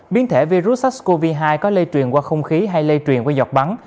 biến thể virus sars cov hai có lây truyền qua không khí hay lây truyền qua dọc bắn